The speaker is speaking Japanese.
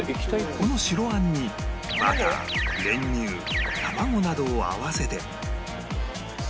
この白あんにバター練乳卵などを合わせて